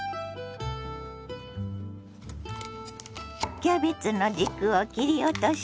キャベツの軸を切り落とします。